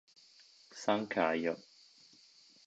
San Caio